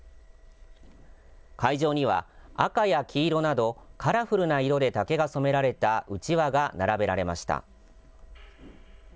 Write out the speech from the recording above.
会場には赤や黄色など、カラフルな色で竹が染められたうちわが並べられました。